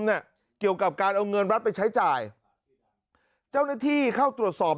เนี่ยเกี่ยวกับการเอาเงินรัฐไปใช้จ่ายเจ้าหน้าที่เข้าตรวจสอบ